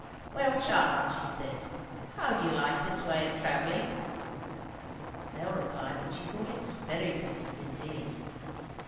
"Well, child," she said, "how do you like this way of travelling?" Nell replied that she thought it was very pleasant indeed.